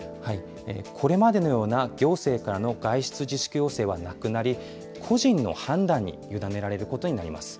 これまでのような行政からの外出自粛要請はなくなり、個人の判断に委ねられることになります。